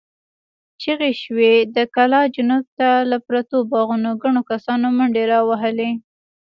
چيغې شوې، د کلا جنوب ته له پرتو باغونو ګڼو کسانو منډې را وهلې.